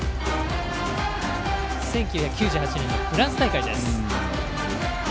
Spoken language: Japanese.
１９９８年のフランス大会です。